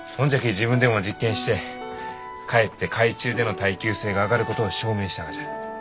自分でも実験してかえって海中での耐久性が上がることを証明したがじゃ。